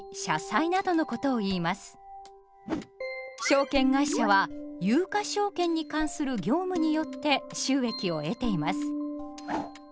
証券会社は「有価証券」に関する業務によって収益を得ています。